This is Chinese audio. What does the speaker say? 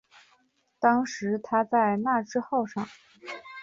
当时他在那智号上。